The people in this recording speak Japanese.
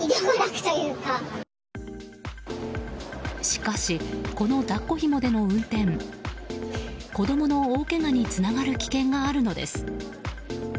しかしこの抱っこひもでの運転子供の大けがにつながる危険があるのです。